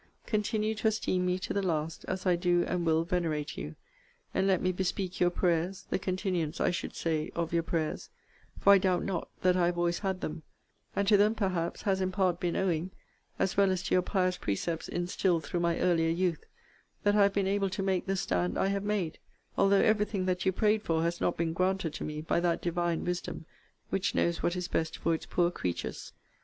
Continue to esteem me to the last, as I do and will venerate you! And let me bespeak your prayers, the continuance, I should say, of your prayers; for I doubt not, that I have always had them: and to them, perhaps, has in part been owing (as well as to your pious precepts instilled through my earlier youth) that I have been able to make the stand I have made; although every thing that you prayed for has not been granted to me by that Divine Wisdom, which knows what is best for its poor creatures.